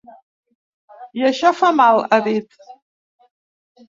I això, fa mal, ha dit.